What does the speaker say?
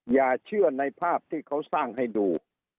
อย่าเชื่อในภาพที่เขาสร้างให้ดู